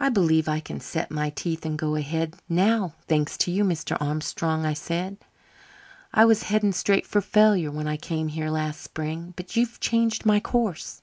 "I believe I can set my teeth and go ahead now, thanks to you, Mr. Armstrong," I said. "I was heading straight for failure when I came here last spring; but you've changed my course."